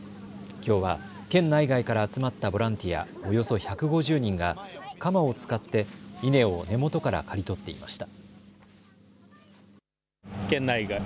きょうは県内外から集まったボランティアおよそ１５０人が鎌を使って稲を根元から刈り取っていました。